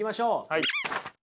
はい。